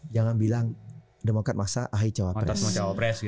jangan bilang demokrat masa ahy cawapres